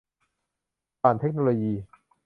ผ่านเทคโนโลยี